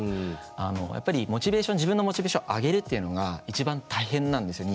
あのやっぱりモチベーション自分のモチベーション上げるっていうのが一番大変なんですよ